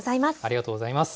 ありがとうございます。